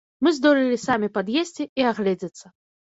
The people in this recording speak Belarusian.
Мы здолелі самі пад'есці і агледзецца.